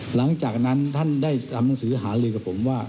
หลังจากนั้นท่านได้ทำหนังสือหาลือกับผมว่า